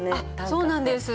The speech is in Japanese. そうなんです。